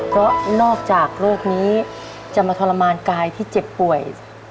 เพราะนอกจากโรคนี้จะมาทรมานกายที่เจ็บป่วย